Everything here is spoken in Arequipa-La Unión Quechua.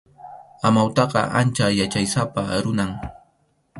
Amawtaqa ancha yachaysapa runam.